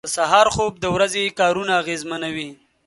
• د سهار خوب د ورځې کارونه اغېزمنوي.